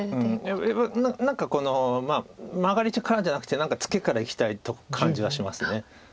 やっぱり何かこのマガリからじゃなくてツケからいきたいと感じはします。